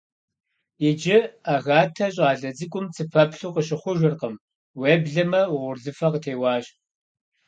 Иджы Агатэ щӀалэ цӀыкӀум цыпэплъу къыщыхъужыркъым, уеблэмэ угъурлыфэ къытеуащ.